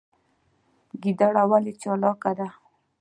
ګیدړه ولې چالاکه ده؟